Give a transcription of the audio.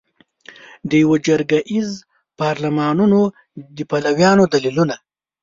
د یوه جرګه ایز پارلمانونو د پلویانو دلیلونه